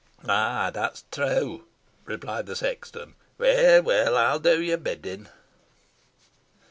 "An that's true," replied the sexton. "Weel, weel; ey'n do your bidding."